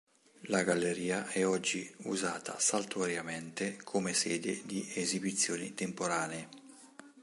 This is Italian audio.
La Galleria è oggi usata saltuariamente come sede di esibizioni temporanee.